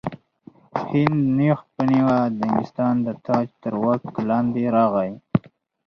هند نیغ په نیغه د انګلستان د تاج تر واک لاندې راغی.